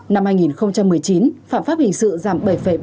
năm hai nghìn một mươi chín phạm pháp hình sự giảm bảy ba mươi